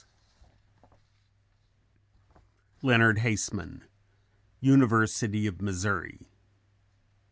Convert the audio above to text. LEONARD HASEMAN University of Missouri.